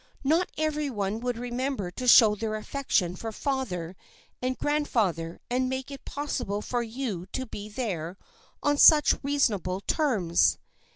Not every one would remember to show their affection for father and grandfather and make it possible for you to be there on such reasonable terms.